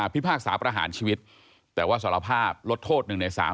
พิพากษาประหารชีวิตแต่ว่าสารภาพลดโทษ๑ใน๓